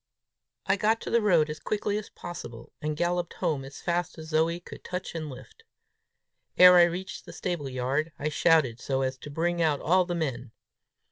I got to the road as quickly as possible, and galloped home as fast as Zoe could touch and lift. Ere I reached the stable yard, I shouted so as to bring out all the men.